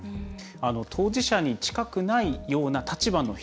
当事者に近くないような立場の人。